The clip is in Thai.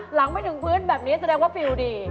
หลังไม่ถึงพื้นแบบนี้แสดงว่าฟิลดี